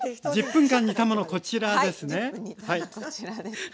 １０分煮たものこちらです。